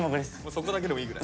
そこだけでもいいぐらい？